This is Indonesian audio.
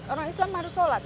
orang islam harus sholat